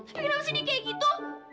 tapi kenapa sih dia kayak gitu